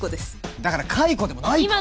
だから解雇でもないから。